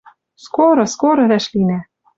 Скоро, скоро вӓшлинӓ.